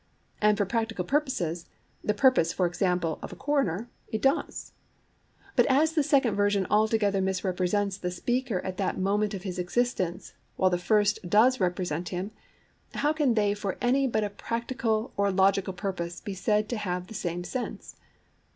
And for practical purposes—the purpose, for example, of a coroner—it does. But as the second version altogether misrepresents the speaker at that moment of his existence, while the first does represent him, how can they for any but a practical or logical purpose be said to have the same sense?